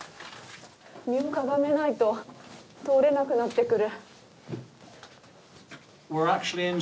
身をかがめないと通れなくなってくる。